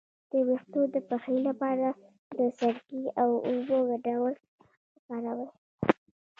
د ویښتو د پخې لپاره د سرکې او اوبو ګډول وکاروئ